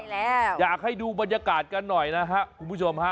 แล้วอยากให้ดูบรรยากาศกันหน่อยนะฮะคุณผู้ชมฮะ